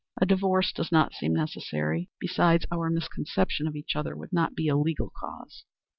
A divorce does not seem necessary. Besides, our misconception of each other would not be a legal cause."